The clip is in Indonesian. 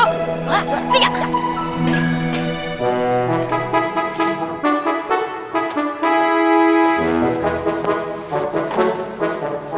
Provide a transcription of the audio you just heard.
satu dua tiga